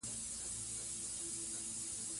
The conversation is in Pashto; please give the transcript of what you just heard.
ژبني اختلافات باید حل سي.